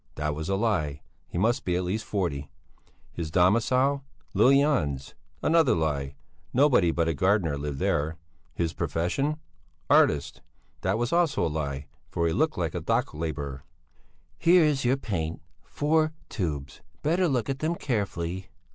That was a lie; he must be at least forty. His domicile? Lill Jans! Another lie; nobody but a gardener lived there. His profession? Artist! That also was a lie: for he looked like a dock labourer. "Here's your paint, four tubes! Better look at them carefully!"